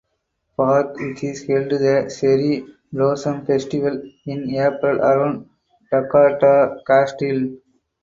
Park which is held the Cherry Blossom Festival in April around Takato Castle